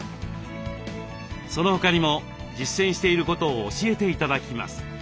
その他にも実践していることを教えて頂きます。